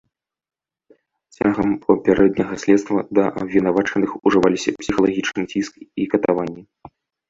Цягам папярэдняга следства да абвінавачаных ужываліся псіхалагічны ціск і катаванні.